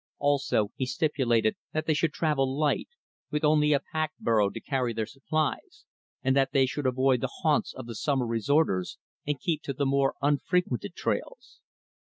Also, he stipulated that they should travel light with only a pack burro to carry their supplies and that they should avoid the haunts of the summer resorters, and keep to the more unfrequented trails.